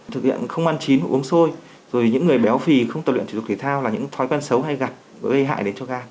thực hiện không ăn chín uống xôi rồi những người béo phì không tập luyện thủ tục thể thao là những thói quen xấu hay gặp gây hại đến cho gan